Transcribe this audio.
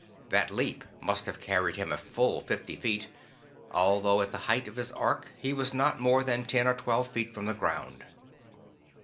That leap must have carried him a full fifty feet, although at the height of his arc, he was not more than ten or twelve feet from the ground.